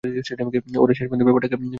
ওরাই শেষ পর্যন্ত ব্যাপারটা খতিয়ে দেখবে।